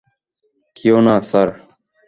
কেউ না, স্যার।